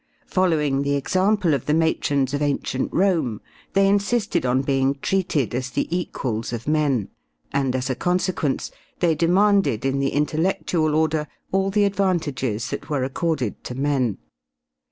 Following the example of the matrons of ancient Rome, they insisted on being treated as the equals of men, and, as a consequence, they demanded in the intellectual order all the advantages that were accorded to men.